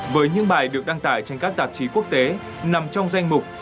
với những bài được đăng tải trên các tạp chí quốc tế nằm trong danh mục